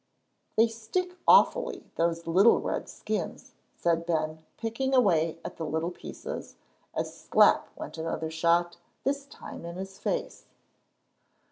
"They stick awfully, those little red skins," said Ben, picking away at the little pieces, as slap went another shot, this time in his face.